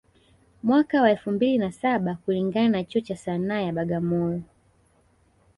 Mwaka wa elfu mbili na saba kulingana na chuo cha Sanaa ya Bagamoyo